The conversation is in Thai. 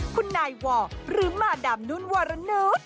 คุณนายวอร์หรือมาดามนุ่นวารนุษย์